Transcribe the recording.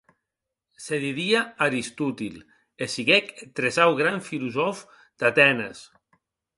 Se didie Aristotil, e siguec eth tresau gran filosòf d'Atenes.